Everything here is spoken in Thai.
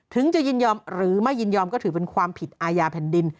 ถึงจะยินยอมหรือไม่ยินยอมก็ถือเป็นความผิดอาญาแผ่นดิน